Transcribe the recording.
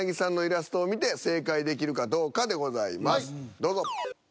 どうぞ。